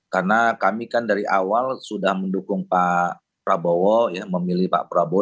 karena kami kan dari awal sudah mendukung pak prabowo memilih pak prabowo